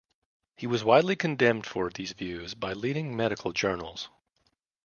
He was widely condemned for these views by leading medical journals.